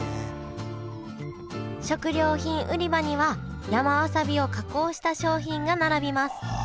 食料品売り場には山わさびを加工した商品が並びますああ